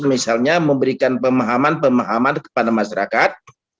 misalnya memberikan pemahaman pemahaman kepada masyarakat